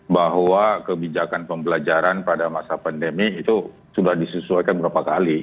bahwa kebijakan pembelajaran pada masa pandemi itu sudah disesuaikan beberapa kali